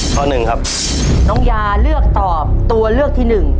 หนึ่งครับน้องยาเลือกตอบตัวเลือกที่หนึ่ง